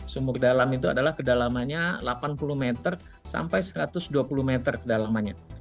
sumur dalam itu adalah kedalamannya delapan puluh meter sampai satu ratus dua puluh meter kedalamannya